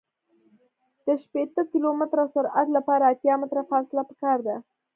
د شپیته کیلومتره سرعت لپاره اتیا متره فاصله پکار ده